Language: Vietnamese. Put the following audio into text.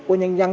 của nhân dân